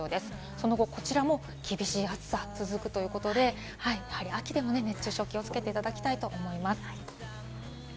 その後こちらも厳しい暑さ続くということで、秋でも熱中症に気をつけていただきたいと思います。